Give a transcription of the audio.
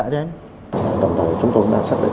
đồng thời chúng tôi đã xác định